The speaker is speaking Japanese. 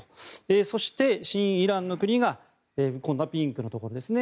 そして、親イランの国が今度はピンクのところですね